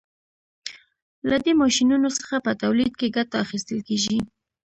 له دې ماشینونو څخه په تولید کې ګټه اخیستل کیږي.